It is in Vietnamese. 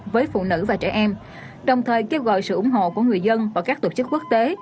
với phụ nữ và trẻ em đồng thời kêu gọi sự ủng hộ của người dân và các tổ chức quốc tế